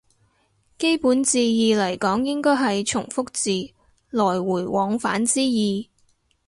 基本字義嚟講應該係從復字，來回往返之意